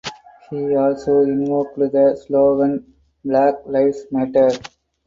He also invoked the slogan "Black Lives Matter".